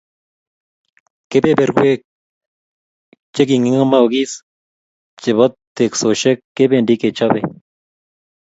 keberberwek chekingemokis chebo teksoshek kebendi kechobei